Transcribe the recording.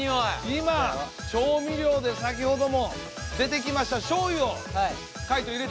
今調味料で先ほども出てきましたしょうゆを海人入れた？